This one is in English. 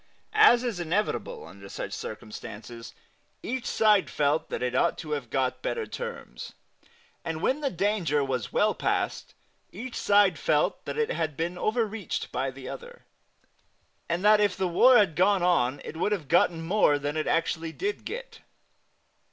As is inevitable under such circumstances, each side felt that it ought to have got better terms; and when the danger was well past each side felt that it had been over reached by the other, and that if the war had gone on it would have gotten more than it actually did get.